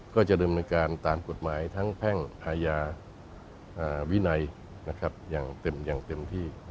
ก็จะเริ่มรับรายการตามกฎหมายทั้งแพ่งพญาวินัยอย่างเต็มที่